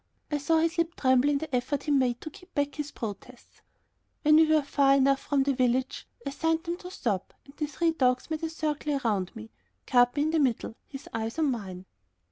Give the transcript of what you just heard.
I saw his lip tremble in the effort he made to keep back his protests. When we were far enough away from the village, I signed to them to stop, and the three dogs made a circle round me, Capi in the middle, his eyes on mine.